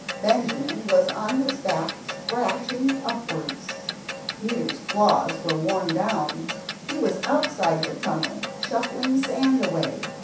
Benjamin was on his back scratching upwards. Peter's claws were worn down; he was outside the tunnel, shuffling sand away.